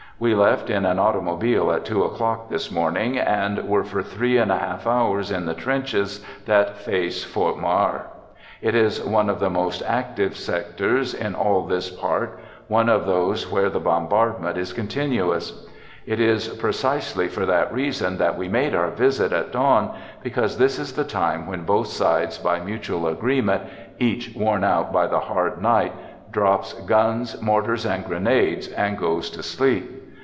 We left in an automobile at two o'clock this morning, and were for three and a half hours in the trenches that face Fort Marre. j It is one of the most active sectors in all this part, < one of those where the bombardment is continuous ;, it is precisely for that reason that we made our visit j at dawn, because this is the time when both sides, j by mutual agreement, each worn out by the hard j night, drops guns, mortars and grenades, and goes \ to sleep.